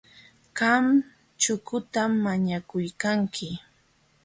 Qam chukutam mañakuykanki.,